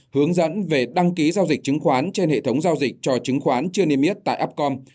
hướng dẫn về đăng ký giao dịch chứng khoán trên hệ thống giao dịch cho chứng khoán chưa niêm yết tại upcom